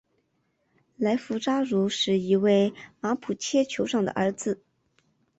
莱夫扎茹是一位马普切酋长的儿子。